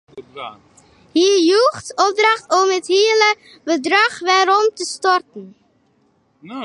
Hy joech opdracht om it hiele bedrach werom te stoarten.